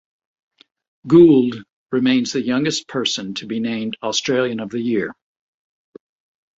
Gould remains the youngest person to be named Australian of the Year.